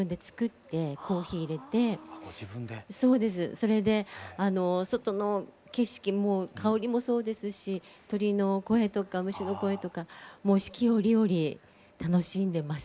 それで外の景色も香りもそうですし鳥の声とか虫の声とかもう四季折々楽しんでます。